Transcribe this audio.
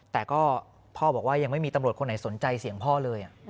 แต่ก็พ่อบอกว่ายังไม่มีตำรวจคนไหนสนใจเสียงพ่อเลย